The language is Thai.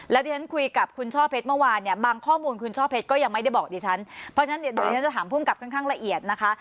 แล้วที่ฉันคุยกับคุณช่อเพชรเมื่อวานเนี่ยบางข้อมูลคุณช่อเพชรก็ยังไม่ได้บอกดิฉันเพราะฉะนั้นเดี๋ยวฉันจะถามภูมิกับค่อนข้างละเอียดนะคะ